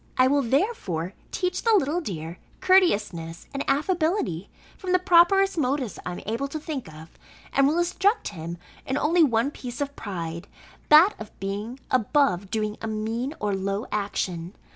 I will therefore teach the little dear courteousness and affability, from the properest motives I am able to think of; and will instruct him in only one piece of pride, that of being above doing a mean or low action.